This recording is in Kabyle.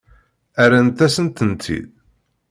Rrant-asen-tent-id?